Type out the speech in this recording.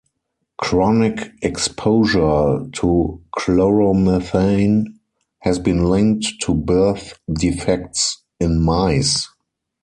Chronic exposure to chloromethane has been linked to birth defects in mice.